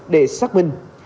để xác minh